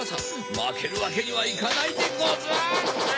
まけるわけにはいかないでござ！